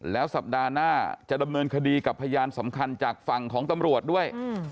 แล้วสัปดาห์หน้าจะดำเนินคดีกับพยานสำคัญจากฝั่งของตำรวจด้วย